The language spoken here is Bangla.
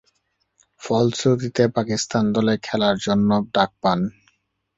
ফলশ্রুতিতে পাকিস্তান দলে খেলার জন্য ডাক পান।